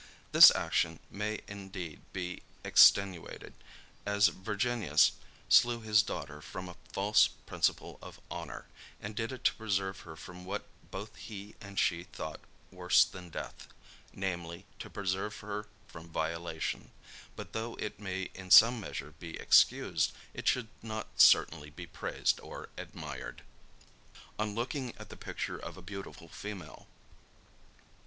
This action may indeed be extenuated, as Virginius slew his daughter from a false principle of honor, and did it to preserve her from what both he and she thought worse than death; namely, to preserve her from violation; but though it may in some measure be excused, it should not certainly be praised or admired. ON LOOKING AT THE PICTURE OF A BEAUTIFUL FEMALE.